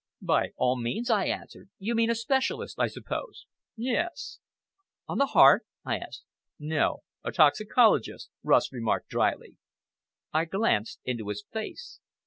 "By all means," I answered; "you mean a specialist, I suppose?" "Yes!" "On the heart?" I asked. "No! a toxicologist!" Rust remarked dryly. I glanced into his face.